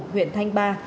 huyện thanh ba